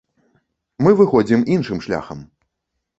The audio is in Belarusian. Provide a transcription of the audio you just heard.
Мы выходзім іншым шляхам.